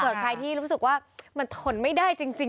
ใครที่รู้สึกว่ามันทนไม่ได้จริง